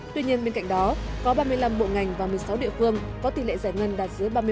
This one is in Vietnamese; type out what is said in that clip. tuy nhiên bên cạnh đó có ba mươi năm bộ ngành và một mươi sáu địa phương có tỷ lệ giải ngân đạt dưới ba mươi